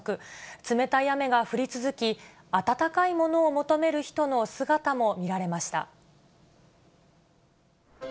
冷たい雨が降り続き、温かいものを求める人の姿も見られました。